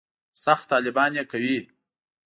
سخت طالبان یې کوي.